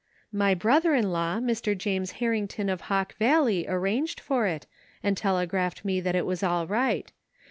"My twother in law, Mr. James Harrington of Hawk Valley, arranged for it, and telegraphed me that it was all right.